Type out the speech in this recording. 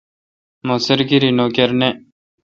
مہ سرکیری نوکر نہ۔